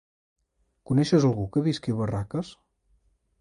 Coneixes algú que visqui a Barraques?